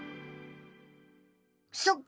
そっか。